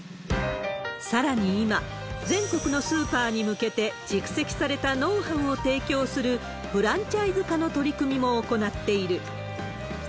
さらに今、全国のスーパーに向けて蓄積されたノウハウを提供するフランチャイズ化の取り組みも行っている。